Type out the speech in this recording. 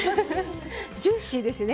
ジューシーですね